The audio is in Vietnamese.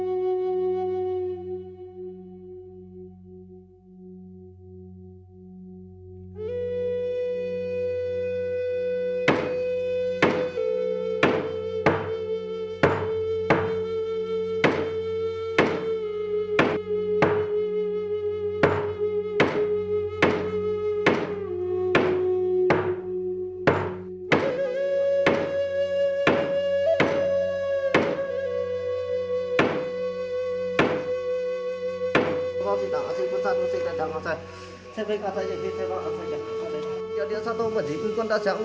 thế con gái có được không ạ